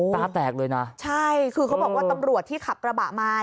ตาแตกเลยนะใช่คือเขาบอกว่าตำรวจที่ขับกระบะมา